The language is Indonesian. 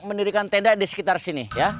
mendirikan tenda di sekitar sini